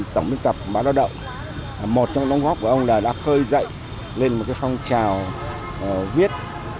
tổng biên tập báo lao động một trong nông góp của ông là đã khơi dậy lên một phong trào viết